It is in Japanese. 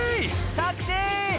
タクシー！